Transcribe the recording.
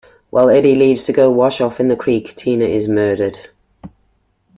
While Eddie leaves to go wash off in the creek, Tina is murdered.